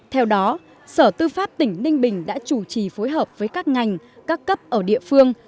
theo đó sở tư pháp tỉnh ninh bình đã chủ trì phối hợp với các ngành các cấp ở địa phương